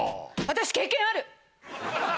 私経験ある！